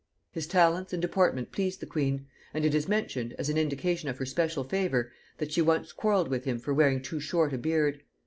His talents and deportment pleased the queen; and it is mentioned, as an indication of her special favor, that she once quarrelled with him for wearing too short a beard.